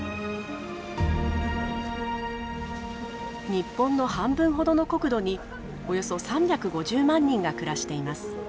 日本の半分ほどの国土におよそ３５０万人が暮らしています。